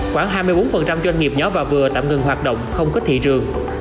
khoảng hai mươi bốn doanh nghiệp nhỏ và vừa tạm ngừng hoạt động không có thị trường